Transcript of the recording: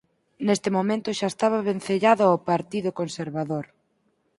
Neste momento xa estaba vencellado ao Partido Conservador.